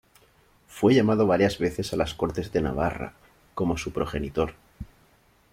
Fue llamado varias veces a las Cortes de Navarra, como su progenitor.